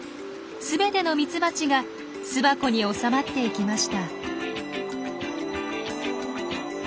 全てのミツバチが巣箱に収まっていきました。